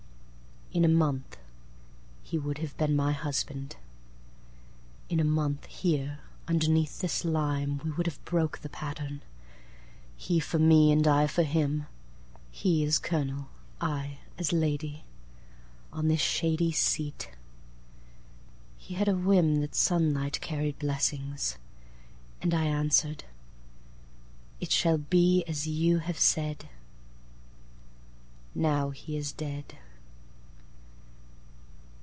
In a month he would have been my husband.In a month, here, underneath this lime, We would have broke the pattern; He for me, and I for him, He as Colonel, I as Lady, On this shady seat. He had a whimThat sunlight carried blessing. And I answered, "It shall be as you have said."Now he is dead.